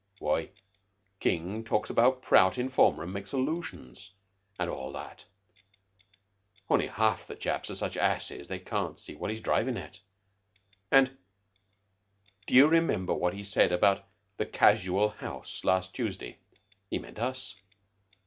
"Why, King talks about Prout in form room makes allusions, an' all that only half the chaps are such asses they can't see what he's drivin' at. And d'you remember what he said about the 'Casual House' last Tuesday? He meant us.